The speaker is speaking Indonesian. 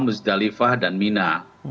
muzdalifah dan mina